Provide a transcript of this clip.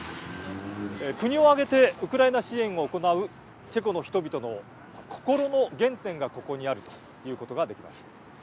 国を挙げてウクライナ支援を行うチェコの人々の心の原点がここにあると言うことができます。